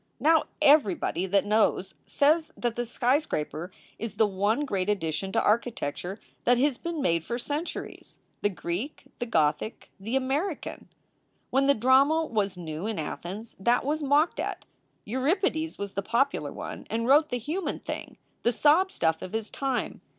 Now everybody that knows says that the skyscraper is the one great addition to architecture that has been made for centuries the Greek, the Gothic, the American. "When the drama was new in Athens that was mocked at, Euripides was the popular one and wrote the human thing, the sob stuff of his time.